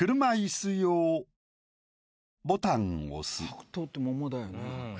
白桃って桃だよね？